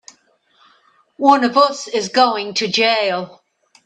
One of us is going to jail!